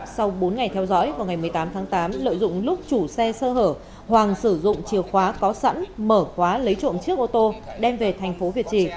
sau bốn ngày theo dõi vào ngày một mươi tám tháng tám lợi dụng lúc chủ xe sơ hở hoàng sử dụng chìa khóa có sẵn mở khóa lấy trộm chiếc ô tô đem về thành phố việt trì